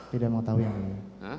tidak mengetahui yang mulia